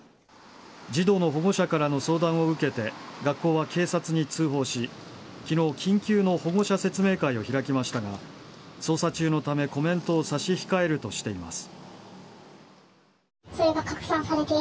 児童の保護者からの相談を受けて学校は警察に通報し昨日、緊急の保護者説明会を開きましたが捜査中のため、コメントを差し控えるとしています。